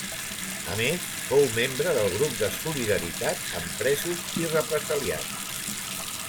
A més, fou membre del Grup de Solidaritat amb Presos i Represaliats.